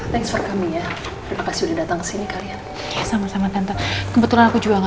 thanks for coming ya terima kasih udah datang sini kalian sama sama tentu kebetulan aku juga